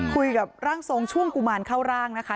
คุยกับร่างทรงช่วงกุมารเข้าร่างนะคะ